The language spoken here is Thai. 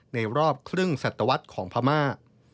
ในรอบครึ่งศัตรวัฒน์ของพม่า